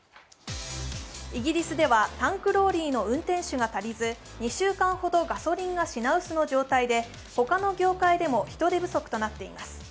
イギリスではタンクローリーの運転手が足りず、２週間ほどガソリンが品薄な状態で他の業界でも人手不足となっています。